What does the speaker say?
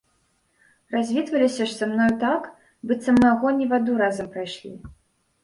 Развітваліся ж са мной так, быццам мы агонь і ваду разам прайшлі.